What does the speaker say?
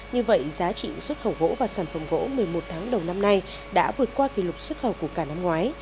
như vậy giá trị xuất khẩu gỗ và sản phẩm gỗ một mươi một tháng đầu năm nay đã vượt qua kỷ lục xuất khẩu của cả năm ngoái